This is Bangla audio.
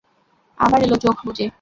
আবার এল চোখ বুজে।